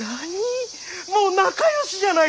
もう仲よしじゃないか！